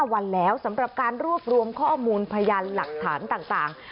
วันแล้วสำหรับการรวบรวมข้อมูลพยานหลักฐานต่าง